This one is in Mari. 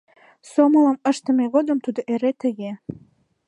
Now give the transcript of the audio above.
Сомылым ыштыме годым тудо эре тыге.